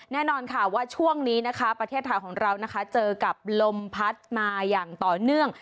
แน่นอนค่ะว่าช่วงนี้นะคะประเทศไทยของเรานะคะเจอกับลมพัดมาอย่างต่อเนื่อง